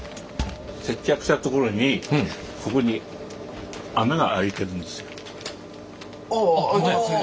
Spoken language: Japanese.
接着したところにここにああ開いてますね。